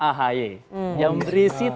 ahy yang berisi